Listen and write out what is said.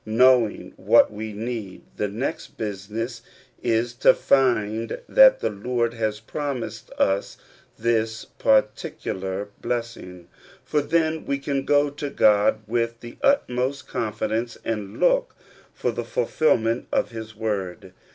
Knowing what we need, the next business is to find that the Lord has promised us this particular blessing, for then we can go to God with the utmost confidence, and look for the fulfillment of his word.